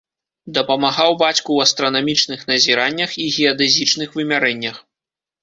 Дапамагаў бацьку ў астранамічных назіраннях і геадэзічных вымярэннях.